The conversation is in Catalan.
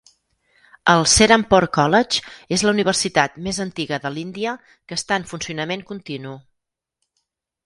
El Serampore College és la universitat més antiga de l'Índia que està en funcionament continu.